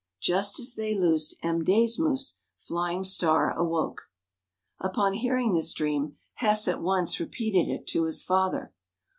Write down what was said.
Just as they loosed M'dāsmūs, Flying Star awoke. Upon hearing this dream, Hess at once repeated it to his father.